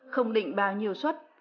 không định bao nhiêu xuất